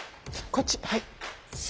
こっちはい。